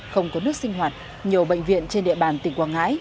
không có nước sinh hoạt nhiều bệnh viện trên địa bàn tỉnh quảng ngãi